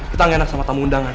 kita gak enak sama tamu undangan